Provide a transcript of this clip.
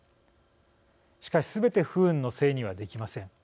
しかし、すべて不運のせいにはできません。